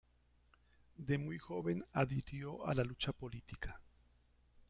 De muy joven adhirió a la lucha política.